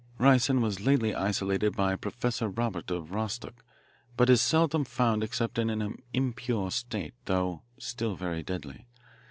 Ricin was lately isolated by Professor Robert, of Rostock, but is seldom found except in an impure state, though still very deadly.